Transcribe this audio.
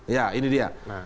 ya ini dia